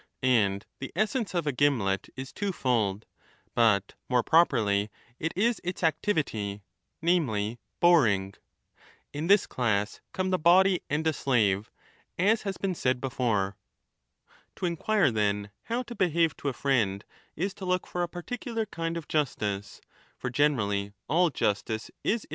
And the essence of a gimlet is twofold, but more properly it is its activity, namely boring. In this class come the body and a slave, as has been said before.^ To inquire, then, how to behave to a friend is to look for 20 a particular kind of justice, for generally all justice is in ^ Dispensing with Susemihl's addition of S^/uoKpart/cij.